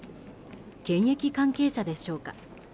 検疫関係者でしょうか。